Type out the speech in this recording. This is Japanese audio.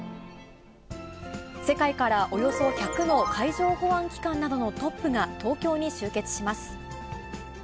世界からおよそ１００の海上保安機関などのトップが東京に集結します。